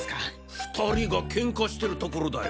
２人が喧嘩してるところだよ！